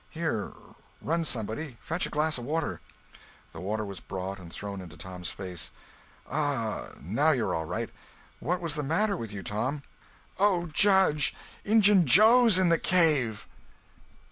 Here, run, somebody! Fetch a glass of water!" The water was brought and thrown into Tom's face. "Ah, now you're all right. What was the matter with you, Tom?" "Oh, Judge, Injun Joe's in the cave!"